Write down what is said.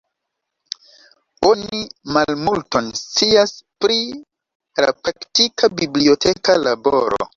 Oni malmulton scias pri la praktika biblioteka laboro.